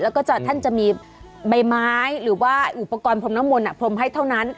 แล้วก็ท่านจะมีใบไม้หรือว่าอุปกรณ์พรมน้ำมนต์พรมให้เท่านั้น